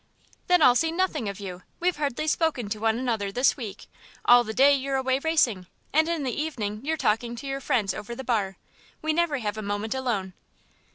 "Then I'll see nothing of you. We've hardly spoken to one another this week; all the day you're away racing, and in the evening you're talking to your friends over the bar. We never have a moment alone."